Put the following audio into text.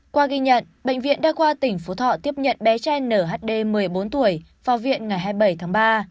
qua ghi nhận bệnh viện đã qua tỉnh phú thọ tiếp nhận bé trai nở hd một mươi bốn tuổi vào viện ngày hai mươi bảy tháng ba